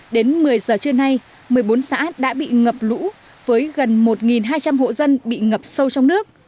đến một mươi giờ trưa nay một mươi bốn xã đã bị ngập lũ với gần một hai trăm linh hộ dân bị ngập sâu trong nước